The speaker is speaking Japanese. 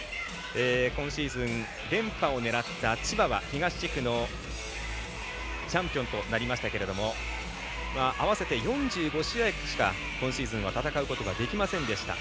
今シーズン、連覇を狙った千葉は東地区のチャンピオンとなりましたけれども合わせて４５試合しか今シーズンは戦うことができませんでした。